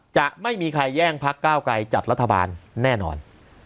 จะไม่มีใครแย่งพักก้าวไกลจัดรัฐบาลแน่นอน